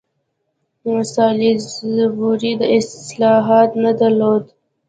سالیزبوري دا صلاحیت نه درلود.